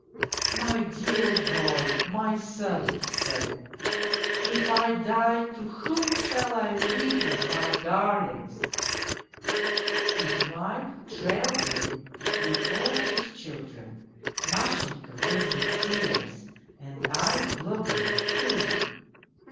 "' My dear boy, my son,' he said, ' if I die, to whom shall I leave you, my darlings ?'" His wife trailed in with all his children; Mashenka was in tears and I blubbered, too.